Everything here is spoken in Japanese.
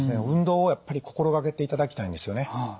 運動をやっぱり心がけていただきたいんですよね。